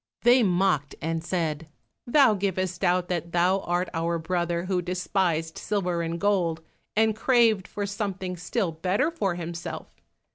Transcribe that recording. They mocked and said, "Thou givest out that thou art our brother who despised silver and gold, and craved for something still better for himself.